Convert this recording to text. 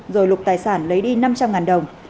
rồi lục tài sản lấy đi năm trăm linh đồng